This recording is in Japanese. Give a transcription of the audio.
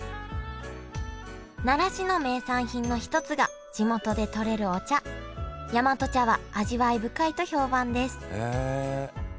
奈良市の名産品の一つが地元でとれるお茶大和茶は味わい深いと評判です。